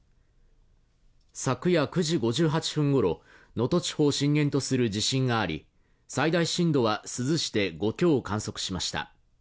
昨夜９時５８分ごろ、能登地方を震源とする地震があり最大震度は珠洲市で５強を観測しました。